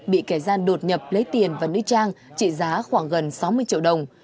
bị kẻ gian đột nhập lấy tiền và nữ trang trị giá khoảng gần sáu mươi triệu đồng